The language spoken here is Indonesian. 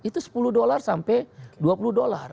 itu sepuluh dollar sampai dua puluh dollar